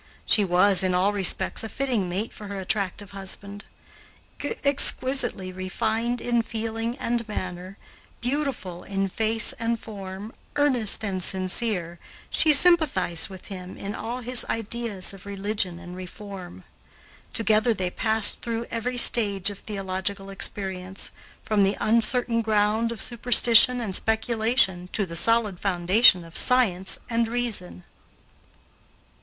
She was, in all respects, a fitting mate for her attractive husband. Exquisitely refined in feeling and manner, beautiful in face and form, earnest and sincere, she sympathized with him in all his ideas of religion and reform. Together they passed through every stage of theological experience, from the uncertain ground of superstition and speculation to the solid foundation of science and reason.